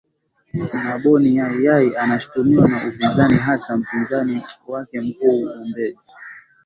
na boni yai yai anashutumiwa na upinzani hasa mpinzani wake mkuu humbeji